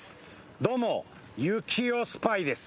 どうも行雄スパイです。